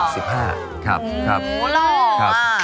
สิบห้าครับครับอื้อหูหูหรอครับอุ๊ย